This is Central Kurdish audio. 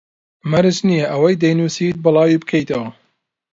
مەرج نییە ئەوەی دەینووسیت بڵاوی بکەیتەوە